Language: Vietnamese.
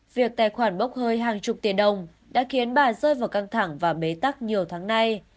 việc tài khoản bốc hơi hàng chục tỷ đồng đã khiến bà rơi vào căng thẳng và bế tắc nhiều tháng nay